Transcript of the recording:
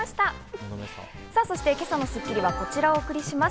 そして今朝の『スッキリ』はこちらをお送りします。